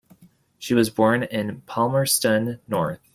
She was born in Palmerston North.